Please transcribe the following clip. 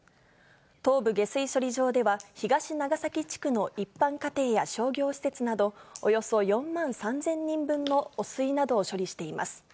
東部下水処理場では、東長崎地区の一般家庭や商業施設など、およそ４万３０００人分の汚水などを処理しています。